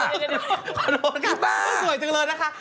ขอโทษค่ะสวยตังเลยนะคะ